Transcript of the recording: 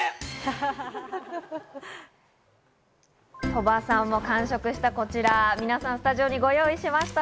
鳥羽さんも完食したこちら、みなさん、スタジオにご用意しました。